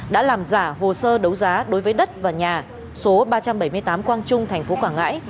đã làm giả hồ sơ đấu giá đối với đất và nhà số ba trăm bảy mươi tám quang trung thành phố quảng ngãi